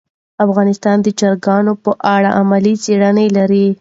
افغانستان د چرګانو په اړه علمي څېړني لري.